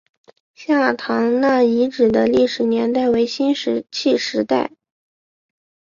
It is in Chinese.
下堂那遗址的历史年代为新石器时代。